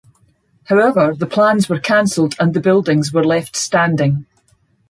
However, the plans were cancelled, and the buildings were left standing.